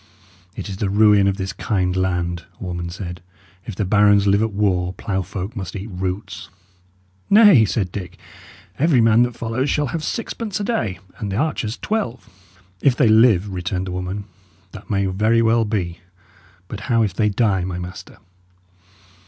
"It is the ruin of this kind land," a woman said. "If the barons live at war, ploughfolk must eat roots." "Nay," said Dick, "every man that follows shall have sixpence a day, and archers twelve." "If they live," returned the woman, "that may very well be; but how if they die, my master?"